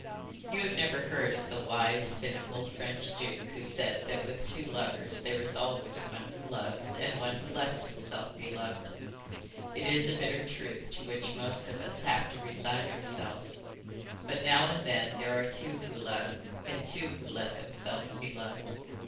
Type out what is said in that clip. You have never heard of the wise, cynical French duke who said that with two lovers there is always one who loves and one who lets himself be loved; it is a bitter truth to which most of us have to resign ourselves; but now and then there are two who love and two who let themselves be loved.